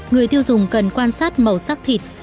người tiêu dùng cần quan sát màu sắc thịt